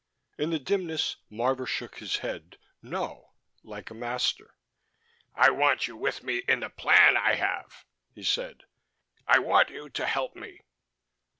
In the dimness Marvor shook his head no, like a master. "I want you with me in the plan I have," he said. "I want you to help me."